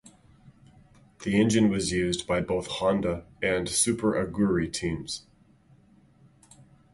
The engine was used by both Honda and Super Aguri teams.